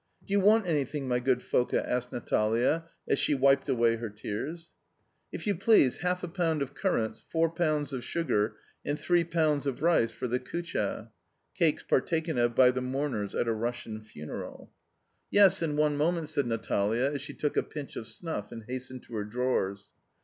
"Do you want anything, my good Foka?" asked Natalia as she wiped away her tears. "If you please, half a pound of currants, four pounds of sugar, and three pounds of rice for the kutia." [Cakes partaken of by the mourners at a Russian funeral.] "Yes, in one moment," said Natalia as she took a pinch of snuff and hastened to her drawers.